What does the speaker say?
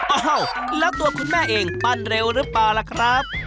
อ้าวแล้วตัวคุณแม่เองปั้นเร็วหรือเปล่าล่ะครับ